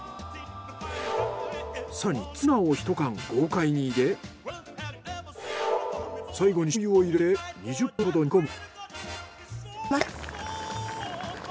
更にツナを１缶豪快に入れ最後に醤油を入れて２０分ほど煮込む。